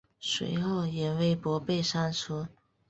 随后原微博被删除。